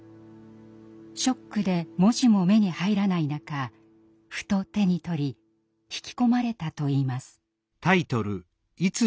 ショックで文字も目に入らない中ふと手に取り引き込まれたといいます。